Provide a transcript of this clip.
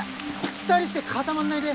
２人して固まんないで。